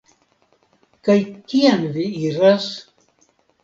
Kaj kien vi iras?